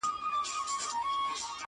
د انتظار دې پر پدره سي لعنت شېرينې